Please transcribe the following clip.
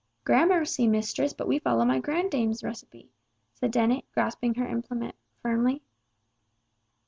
"Grammercy, mistress, but we follow my grand dame's recipe!" said Dennet, grasping her implement firmly.